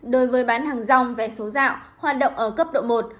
đối với bán hàng rong vé số dạo hoạt động ở cấp độ một